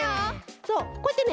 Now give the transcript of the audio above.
そうこうやってね